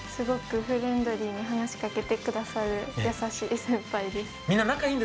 すごくフレンドリーに話しかけてくださる優しい先輩です。